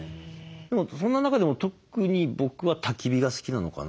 でもそんな中でも特に僕はたき火が好きなのかな。